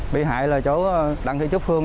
bị hại là chỗ đặng thị trúc phương